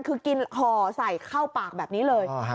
คือกินห่อใส่เข้าปากแบบนี้เลย